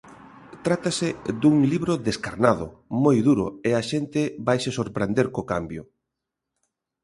Trátase dun libro descarnado, moi duro e a xente vaise sorprender co cambio.